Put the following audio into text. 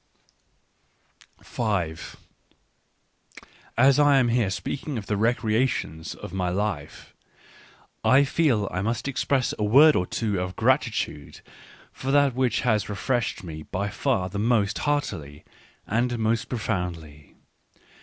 5 As I am speaking here of the recreations of my life, I feel I must express a word or two of gratitude for that which has refreshed me by far the most heartily and most profoundly.